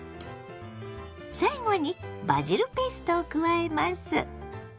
最後にバジルペーストを加えます。